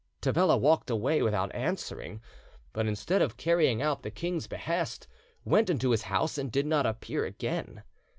Tavella walked away without answering, but instead of carrying out the king's behest, went into his house, and did not appear again.